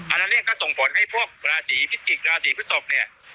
อันนั้นเนี่ยก็ส่งผลให้พวกราศีพิจิกษ์ราศีพฤศพเนี่ย